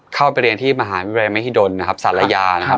เข้าไปเรียนที่มหาวิทยาศาสตร์ไมโมเฮดรสรรายานะครับ